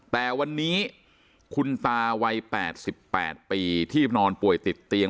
แต่วันนี้คุณตาวัย๘๘ปีที่นอนป่วยติดเตียง